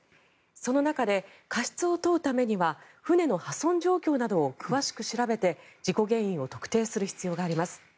その中で過失を問うためには船の破損状況などを詳しく調べて事故原因を特定する必要があります。